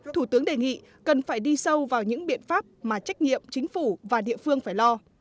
thủ tướng đề nghị cần phải đi sâu vào những biện pháp mà trách nhiệm chính phủ và địa phương phải lo